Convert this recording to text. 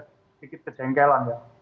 sedikit kejengkelan ya